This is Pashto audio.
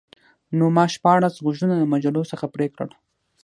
نو ما شپاړس غوږونه له مجلو څخه پرې کړل